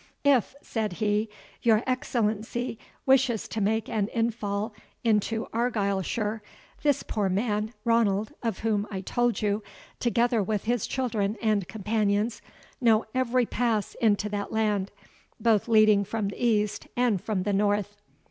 "If," said he, "your Excellency wishes to make an infall into Argyleshire, this poor man, Ranald, of whom I told you, together with his children and companions, know every pass into that land, both leading from the east and from the north."